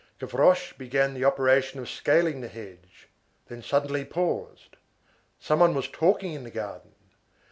Gavroche began the operation of scaling the hedge, then suddenly paused. Some one was talking in the garden.